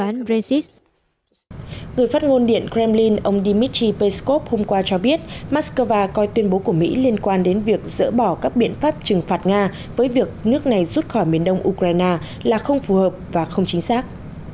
người phát ngôn điện kremlin ông dmitry peskov hôm qua cho biết moscow coi tuyên bố của mỹ liên quan đến việc dỡ bỏ các biện pháp trừng phạt nga với việc nước này rút khỏi miền đông ukraine là không phù hợp và không chính xác